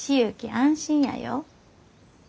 安心やよ。